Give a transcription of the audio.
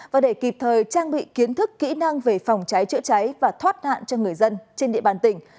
và để kịp thời trang bị kiến thức kỹ năng về phòng cháy chữa cháy và thoát nạn cho người dân trên địa bàn tỉnh